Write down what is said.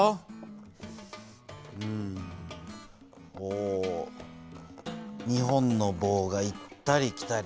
お２本の棒が行ったり来たり。